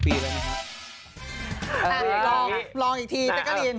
นั่นลองลองอีกทีเจ๊กะลิน